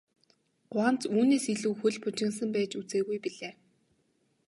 Гуанз үүнээс илүү хөл бужигнасан байж үзээгүй билээ.